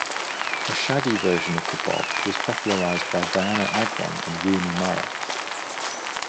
A shaggy version of the bob was popularized by Dianna Agron and Rooney Mara.